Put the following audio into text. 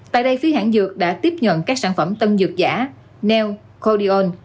tại đây phía hãng dược đã tiếp nhận các sản phẩm tân dược giả neocordion